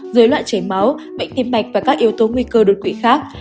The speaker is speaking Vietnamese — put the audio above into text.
dưới loại chảy máu bệnh tim mạch và các yếu tố nguy cơ đột quỵ khác